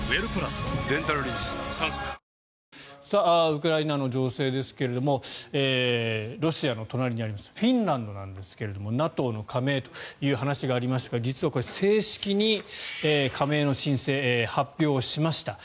ウクライナの情勢ですがロシアの隣にありますフィンランドなんですがＮＡＴＯの加盟という話がありましたが実はこれ、正式に加盟の申請を発表しました。